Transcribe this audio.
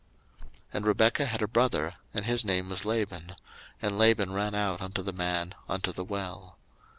01:024:029 And Rebekah had a brother, and his name was Laban: and Laban ran out unto the man, unto the well.